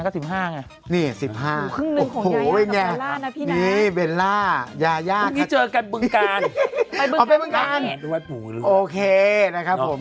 ก็๑๕ไงโอ้โฮยังไงนี่เบลล่ายาค่ะโอเคนะครับผม